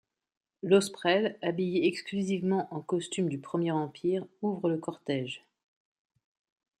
Lausprelle, habillée exclusivement en costumes du Premier Empire, ouvre le cortège.